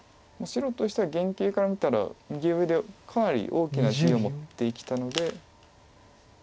白としては原形から見たら右上でかなり大きな地を持って生きたので。